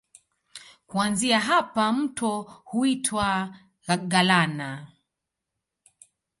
Kuanzia hapa mto huitwa Galana.